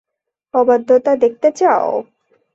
অবাধ্যতা দেখতে চাও?